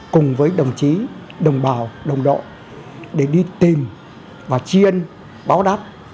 cùng với đồng chí đồng bào đồng đội để đi tìm và chiên báo đáp